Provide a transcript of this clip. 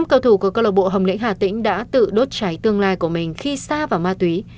năm cầu thủ của cơ lộ bộ hồng lĩnh hà tĩnh đã tự đốt trái tương lai của mình khi xa vào ma túy